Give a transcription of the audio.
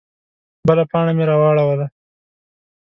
_بله پاڼه مې راواړوله.